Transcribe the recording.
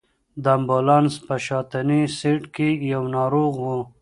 د امبولانس په شاتني سېټ کې یو ناروغ و.